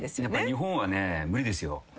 日本はね無理ですよ。